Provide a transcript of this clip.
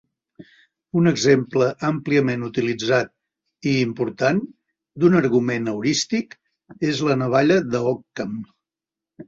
Un exemple àmpliament utilitzat i important d'un argument heurístic és la navalla d'Occam.